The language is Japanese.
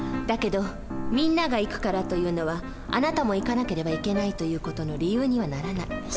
だけど「みんなが行くから」というのは「あなたも行かなければいけない」という事の理由にはならない。